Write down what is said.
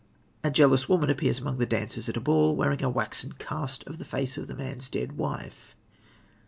A jealous woman appears among the dancers at a ball, wearing a waxen cast of the face of the man's dead wife.